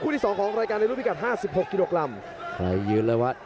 คู่ที่๒ของรายการในรุ่นพิกัด๕๖กิโลกรัม